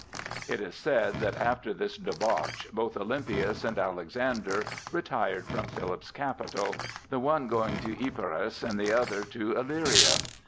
It is said that after this debauch both Olympias and Alexander retired from Philip's capital, the one going to Epirus, and the other to Illyria.